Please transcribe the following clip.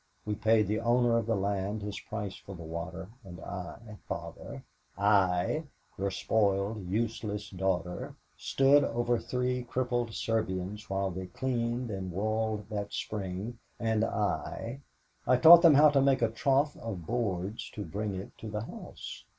We paid the owner of the land his price for the water and I, Father, I, your spoiled, useless daughter, stood over three crippled Serbians while they cleaned and walled that spring and I, I taught them how to make a trough of boards to bring it to the house.